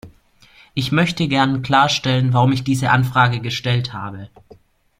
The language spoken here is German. Ich möchte gern klarstellen, warum ich diese Anfrage gestellt habe.